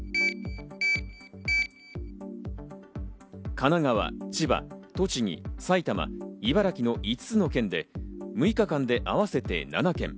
神奈川、千葉、栃木、埼玉、茨城の５つの県で６日間で合わせて７件。